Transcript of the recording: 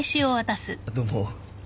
どうも。